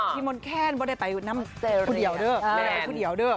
ที่มณเข้นเค้าแต่ไปนำดูเบลอ่ะ